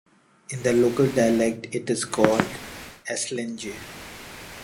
In the local dialect it is called "Esslinge".